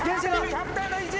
キャプテンの意地！